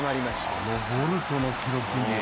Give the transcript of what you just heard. あのボルトの記録に？